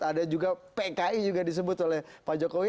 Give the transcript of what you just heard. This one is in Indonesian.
ada juga pki juga disebut oleh pak jokowi